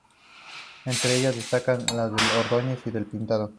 Entre ellas destacan las de los Ordóñez y del Pintado.